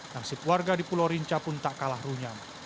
nasib warga di pulau rinca pun tak kalah runyam